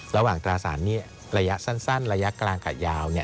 ระหว่างตราศาสตร์นี้ระยะสั้นระยะกลางกับยาว